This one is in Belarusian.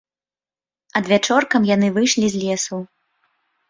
Адвячоркам яны выйшлі з лесу.